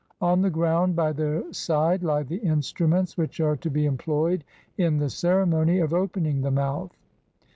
On the ground, by their side, lie the instruments which are to be employed in the ceremony of "opening the mouth", i.